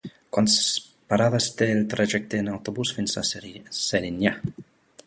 Quantes parades té el trajecte en autobús fins a Serinyà?